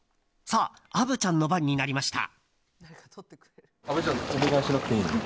さあ、虻ちゃんの番になりました。